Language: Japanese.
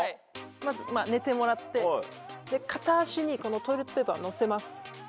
まず寝てもらって片足にトイレットペーパーを乗せます。